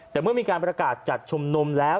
แต่เมื่อมีการประกาศจัดชุมนุมแล้ว